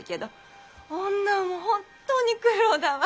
女はもう本当に苦労だわ。